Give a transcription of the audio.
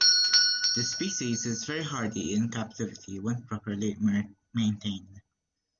This species is very hardy in captivity when properly maintained.